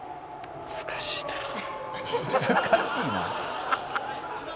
「“難しいなぁ”」